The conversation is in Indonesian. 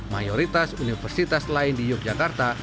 mayoritas universitas lain di yogyakarta